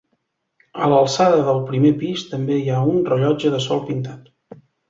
A l'alçada del primer pis també hi ha un rellotge de sol pintat.